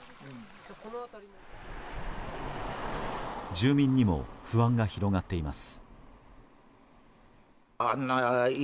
住民にも不安が広がっています。